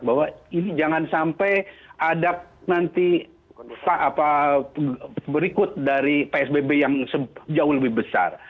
bahwa ini jangan sampai ada nanti berikut dari psbb yang jauh lebih besar